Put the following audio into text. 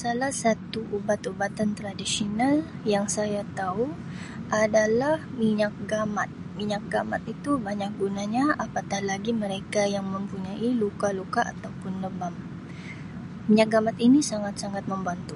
Salah satu ubat-ubatan tradisional yang saya tau adalah minyak gamat minyak gamat itu banyak gunanya apatah lagi mereka yang mempunyai luka-luka atau pun lebam minyak gamat ini sangat-sangat membantu.